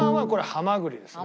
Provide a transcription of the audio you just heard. ハマグリですね。